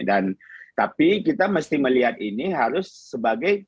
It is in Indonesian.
dan tapi kita mesti melihat ini harus sebagai